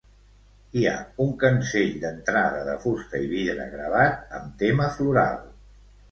Hi ha un cancell d'entrada de fusta i vidre gravat amb tema floral.